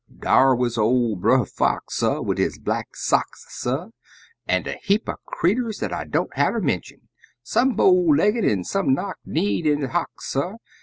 Dar wuz ol' Brer Fox, suh, wid his black socks, suh, An' a heap er creeturs dat I don't hatter mention; Some bow legged an' some knock kneed in de hocks, suh.